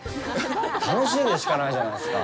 楽しいでしかないじゃないですか。